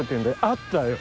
あったよ。